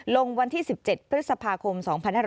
ลงวันที่๑๗พฤษภาคม๒๕๕๙